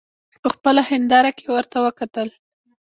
په خپله هینداره کې ورته وکتل.